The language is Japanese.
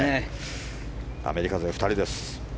アメリカ勢、２人です。